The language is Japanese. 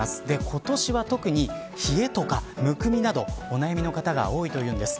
今年は特に、冷えとかむくみなどお悩みの方が多いというんです。